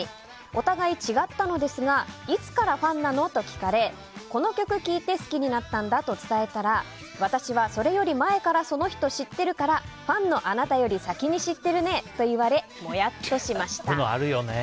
お互い違ったのですがいつからファンなのと聞かれこの曲を聴いて好きになったんだと伝えたら私はそれより前からその人知ってるからファンのあなたより先に知ってるねと言われこういうのあるよね。